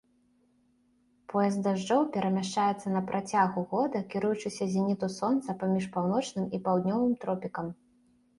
Пояс дажджоў перамяшчаецца на працягу года кіруючыся зеніту сонца паміж паўночным і паўднёвым тропікам.